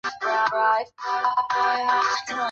治所在牂牁县。